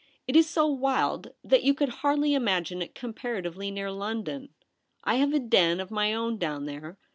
It is so wild that you could hardly imagine it com paratively near London. I have a den of my own down there.